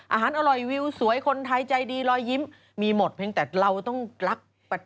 อร่อยวิวสวยคนไทยใจดีรอยยิ้มมีหมดเพียงแต่เราต้องรัก